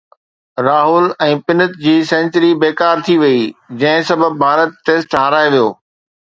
راهول ۽ پنت جي سينچري بيڪار ٿي وئي جنهن سبب ڀارت ٽيسٽ هارائي ويو